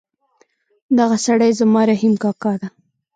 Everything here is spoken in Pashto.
دغه سړی زما رحیم کاکا ده